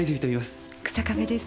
日下部です。